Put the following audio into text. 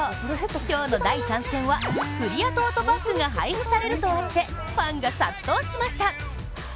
今日の第３戦は、クリアトートバッグが配布されるとあってファンが殺到しました。